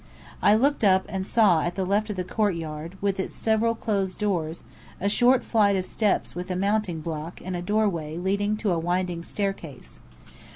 I looked up and saw at the left of the courtyard, with its several closed doors, a short flight of steps with a mounting block, and a doorway leading to a winding staircase.